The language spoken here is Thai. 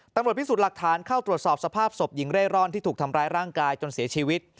ตำรวจพิสูจน์หลักฐานเข้าตรวจสอบสภาพศพหญิงเร่ร่อนที่ถูกทำร้ายร่างกายจนเสียชีวิต